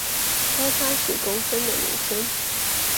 高他十公分的女生